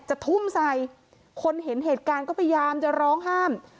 ทุ่มใส่คนเห็นเหตุการณ์ก็พยายามจะร้องห้าม